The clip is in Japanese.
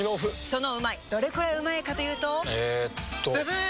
そのうまいどれくらいうまいかというとえっとブブー！